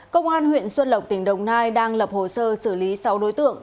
công an huyện xuân lộc tỉnh đồng nai đang lập hồ sơ xử lý sáu đối tượng